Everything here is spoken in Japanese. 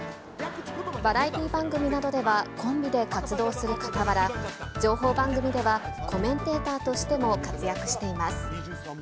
バラエティー番組などではコンビで活動するかたわら、情報番組ではコメンテーターとしても活躍しています。